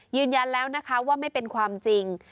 ยืนยันแล้วนะคะว่าไม่เป็นความจริง